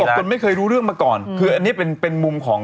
คุณพ่อบอกว่าเขาไม่เคยรู้เรื่องมาก่อนคืออันนี้เป็นมุมของ